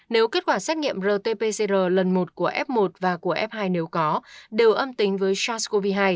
nếu kết quả xét nghiệm rt pcr lần một của f một và của f hai nếu có đều âm tính với sars cov hai